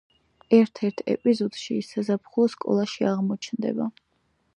ერთ-ერთ ეპიზოდში, ის საზაფხულო სკოლაში აღმოჩნდება.